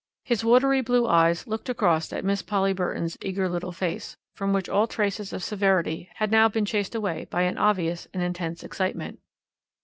His watery blue eyes looked across at Miss Polly Burton's eager little face, from which all traces of severity had now been chased away by an obvious and intense excitement.